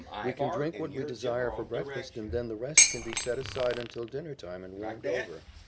We can drink what we desire for breakfast and then the rest can be set aside until dinner time and warmed over.